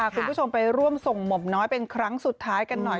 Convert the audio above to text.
คุณผู้ชมไปร่วมส่งหม่อมน้อยเป็นครั้งสุดท้ายกันหน่อย